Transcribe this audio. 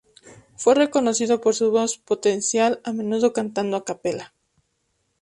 Fue reconocido por su voz potencial, a menudo cantando a capella.